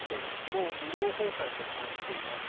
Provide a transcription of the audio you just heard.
もう医療崩壊と感じています。